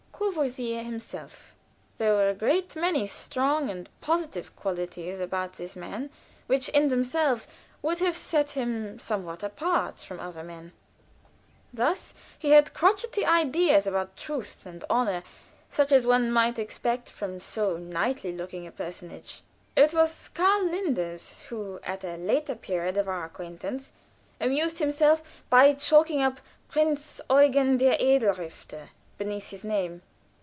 Courvoisier himself? There were a great many strong and positive qualities about this man, which in themselves would have set him somewhat apart from other men. Thus he had crotchety ideas about truth and honor, such as one might expect from so knightly looking a personage. It was Karl Linders, who, at a later period of our acquaintance, amused himself by chalking up, "Prinz Eugen, der edle Ritter," beneath his name.